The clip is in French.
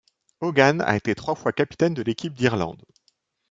Hogan a été trois fois capitaine de l'équipe d'Irlande.